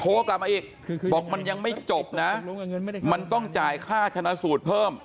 โทรกลับมาอีกบอกมันยังไม่จบนะมันต้องจ่ายค่าชนะสูตรเพิ่ม